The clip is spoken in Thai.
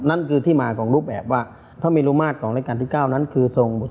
นั่นคือที่มาของรูปแบบว่าพระเมรุมาตรของรายการที่๙นั้นคือทรง